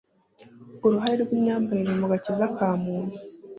uruhare rw’imyambarire mu gakiza ka muntu.